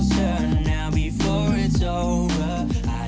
คุณฟังผมแป๊บนึงนะครับ